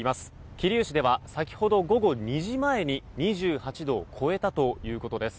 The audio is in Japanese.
桐生市では、先ほど午後２時前に２８度を超えたということです。